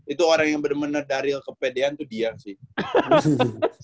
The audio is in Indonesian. itu orang yang bener bener darryl kepedean itu dia sih